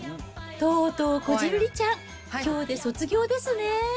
とうとうこじるりちゃん、きょうで卒業ですね。